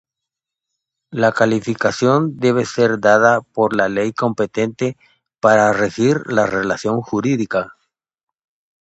La calificación debe ser dada por la ley competente para regir la relación jurídica.